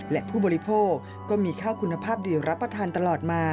และผู้บริโภคก็มีข้าวคุณภาพดีรับประทานตลอดมา